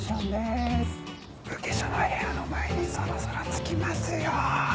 ブケショの部屋の前にそろそろ着きますよ。